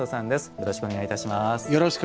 よろしくお願いします。